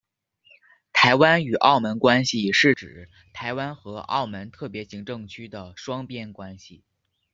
台湾与澳门关系是指台湾和澳门特别行政区的双边关系。